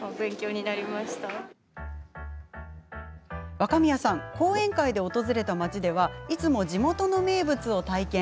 若宮さん、講演会で訪れた町ではいつも地元の名物を体験。